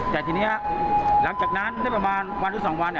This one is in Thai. แต่ทีนี้หลังจากนั้นได้ประมาณวันหรือ๒วัน